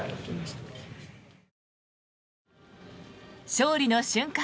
勝利の瞬間